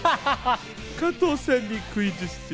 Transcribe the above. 加藤さんにクイズッス！